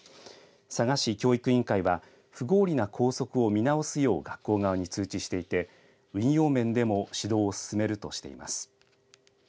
佐賀市教育委員会は不合理な校則を見直すよう学校側に通知していて運用面でも指導を進めるとしています。